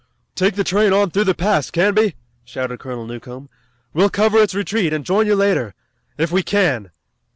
"Take the train on through the pass, Canby!" shouted Colonel Newcomb. "We'll cover its retreat, and join you later if we can."